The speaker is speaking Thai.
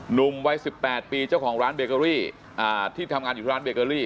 หนุ่มวัย๑๘ปีเจ้าของร้านเบเกอรี่ที่ทำงานอยู่ที่ร้านเบเกอรี่